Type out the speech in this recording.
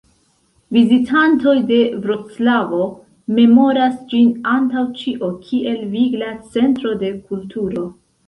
Vizitantoj de Vroclavo memoras ĝin antaŭ ĉio kiel vigla centro de kulturo.